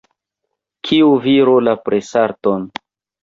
Kiu viro la presarton?